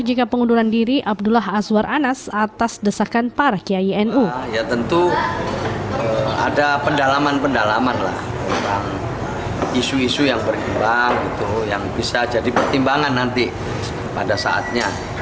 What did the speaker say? yang bisa jadi pertimbangan nanti pada saatnya